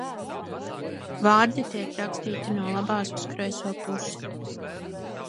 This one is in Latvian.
Vārdi tiek rakstīti no labās uz kreiso pusi.